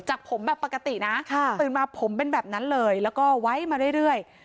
จากผมแบบปกตินะตื่นมาผมเป็นแบบนั้นเลยแล้วก็ไว้มาเรื่อย